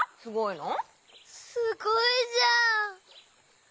すごいじゃん。